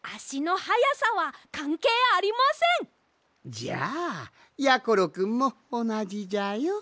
じゃあやころくんもおなじじゃよ。